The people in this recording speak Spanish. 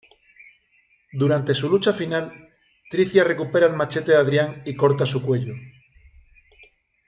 Durante su lucha final, Tricia recupera el machete de Adrienne y corta su cuello.